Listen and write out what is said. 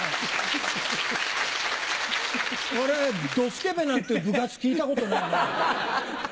俺、どすけべなんて部活聞いたことない。